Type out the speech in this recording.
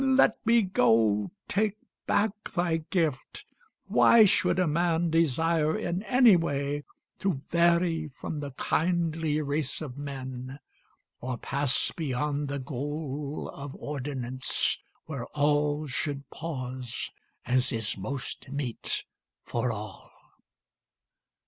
Let me go: take back thy gift: Why should a man desire in any way To vary from the kindly race of men, Or pass beyond the goal of ordinance Where all should pause, as is most meet for all?